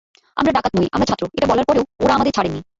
আমরা ডাকাত নই, আমরা ছাত্র, এটা বলার পরও ওঁরা আমাদের ছাড়েননি।